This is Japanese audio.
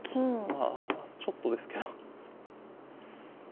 まあちょっとですけど。